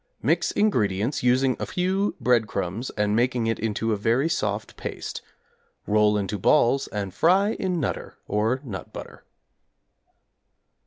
Mix ingredients, using a few breadcrumbs and making it into a very soft paste. Roll into balls and fry in 'Nutter,' or nut butter.